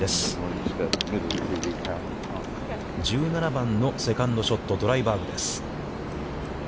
１７番のセカンドショット、ドライバーグです。